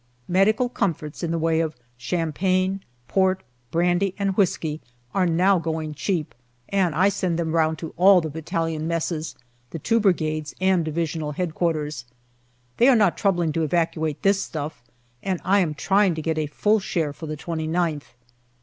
Medical comforts in the way of cham pagne, port, brandy, and whisky are now going cheap, and I send them round to all the battalion messes, the two Brigades, and Divisional H.Q. They are not troubling to evacuate this stuff, and I am trying to get a full share for the 29th.